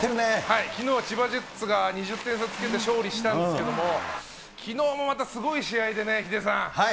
きのうは千葉ジェッツが２０点差つけて勝利したんですけれども、きのうもまたすごい試合でね、ヒデさん。